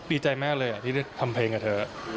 ดีใจมากเลยที่ได้ทำเพลงกับเธอ